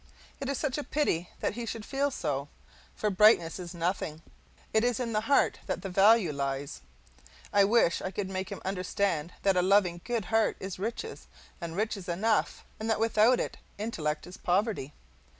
It is such a pity that he should feel so, for brightness is nothing; it is in the heart that the values lie. I wish I could make him understand that a loving good heart is riches, and riches enough, and that without it intellect is poverty.